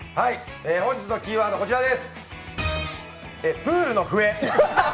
本日のキーワード、こちらです。